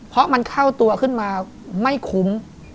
เพราะมันเข้าตัวขึ้นมาไม่คุ้ม